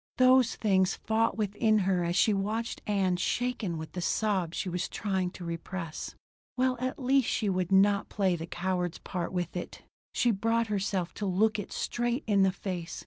Those things fought within her as she watched Ann shaken with the sobs she was trying to repress. Well at least she would not play the coward's part with it! She brought herself to look it straight in the face.